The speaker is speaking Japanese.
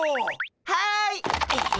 はい！